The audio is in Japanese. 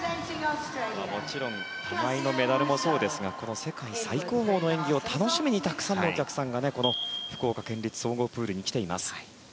もちろん玉井のメダルもそうですが世界最高峰の演技を楽しみにたくさんのお客さんがこの福岡県立総合プールに来ています。